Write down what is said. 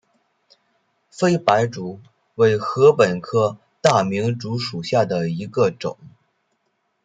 菲白竹为禾本科大明竹属下的一个种。